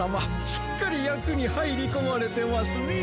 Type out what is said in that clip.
すっかりやくにはいりこまれてますねえ。